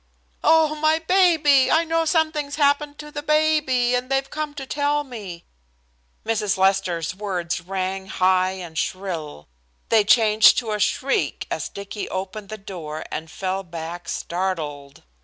"Oh! my baby. I know something's happened to the baby and they've come to tell me." Mrs. Lester's words rang high and shrill. They changed to a shriek as Dicky opened the door and fell back startled.